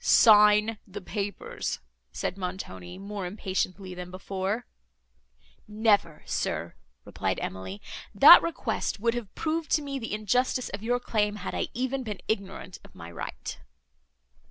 "Sign the papers," said Montoni, more impatiently than before. "Never, sir," replied Emily; "that request would have proved to me the injustice of your claim, had I even been ignorant of my right."